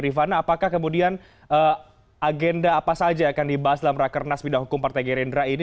rifana apakah kemudian agenda apa saja yang akan dibahas dalam rakernas bidang hukum partai gerindra ini